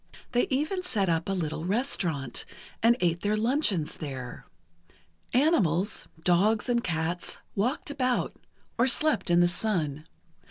They even set up a little restaurant, and ate their luncheons there. Animals—dogs and cats—walked about, or slept in the sun.